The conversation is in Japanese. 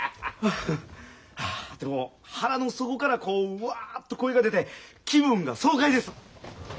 ああでも腹の底からこううわっと声が出て気分が爽快です。